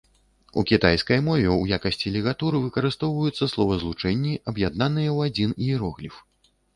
У кітайскай мове ў якасці лігатур выкарыстоўваюцца словазлучэнні, аб'яднаныя ў адзін іерогліф.